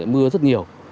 mưa rất nhiều